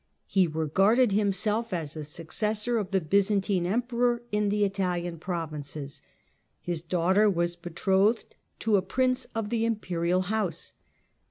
He regarded himself as the successor of the Byzantine Emperor in the Italian provinces ; his daughter was betrothed to a prince of the imperial house.